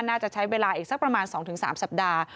น่าจะใช้เวลาอีกสักประมาณ๒๓สัปดาห์